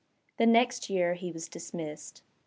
The next year he was dismissed.